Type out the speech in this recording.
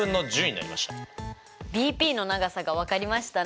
ＢＰの長さが分かりましたね。